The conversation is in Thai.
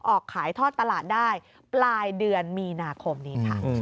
ออกขายทอดตลาดได้ปลายเดือนมีนาคมนี้ค่ะ